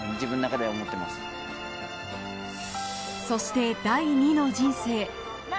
そして第２の人生。